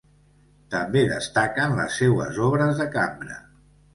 També destaquen les seues obres de cambra.